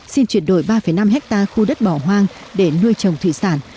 xin chuyển đổi ba năm hectare khu đất bỏ hoang để nuôi trồng thủy sản